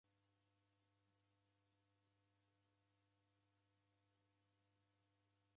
Mwatulituli wapo okunda igho iwi'shi